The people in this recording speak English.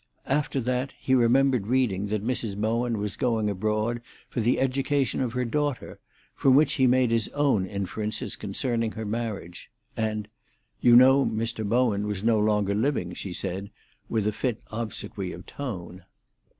After that he remembered reading that Mrs. Bowen was going abroad for the education of her daughter, from which he made his own inferences concerning her marriage. And "You knew Mr. Bowen was no longer living?" she said, with fit obsequy of tone.